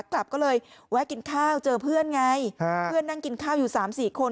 กลับก็เลยแวะกินข้าวเจอเพื่อนไงเพื่อนนั่งกินข้าวอยู่๓๔คน